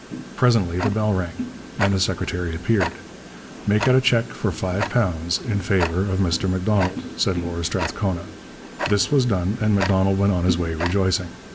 Presently the bell rang, and the secretary appeared. 'Make out a cheque for £5 in favour of Mr M'Donald,' said Lord Strathcona. This was done, and M'Donald went on his way rejoicing.